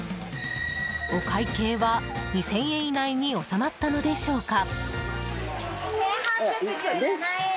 お会計は２０００円以内に収まったのでしょうか。